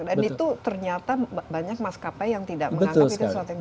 dan itu ternyata banyak mas kp yang tidak menganggap itu sesuatu yang benar